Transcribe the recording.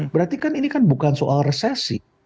berarti kan ini kan bukan soal resesi